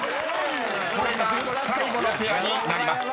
［これが最後のペアになります。